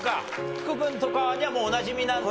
福君とかにはもうおなじみなんだ。